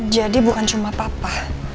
jadi bukan cuma papa